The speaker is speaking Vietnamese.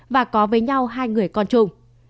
và nhau hai người con chung